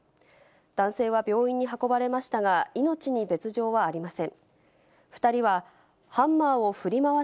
男性は病院に運ばれましたが、命に別状はありません。